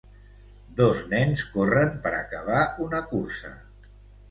Dos nens corren per acabar una cursa.